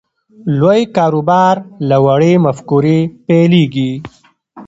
لوی کاروبار له وړې مفکورې پیلېږي